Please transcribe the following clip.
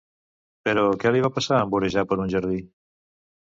Però què li va passar en vorejar per un jardí?